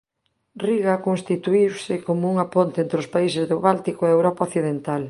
Riga constituíuse como unha ponte entre os países do báltico e a Europa Occidental.